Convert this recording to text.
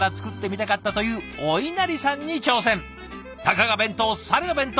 たかが弁当されど弁当！